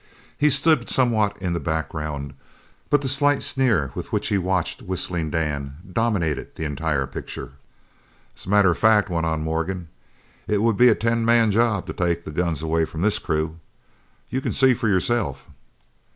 He stood somewhat in the background, but the slight sneer with which he watched Whistling Dan dominated the entire picture. "As a matter of fact," went on Morgan, "it would be a ten man job to take the guns away from this crew. You can see for yourself."